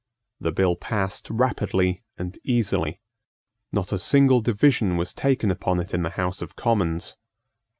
The bill passed rapidly and easily. Not a single division was taken upon it in the House of Commons.